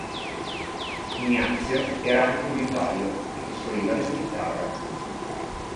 Ignazio era anche un liutaio e costruiva le sue chitarre.